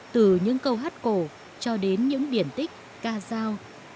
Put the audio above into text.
từ những câu hát cổ cho đến những điển tích ca giao